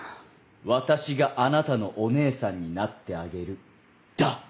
「私があなたのお姉さんになってあげる」だ！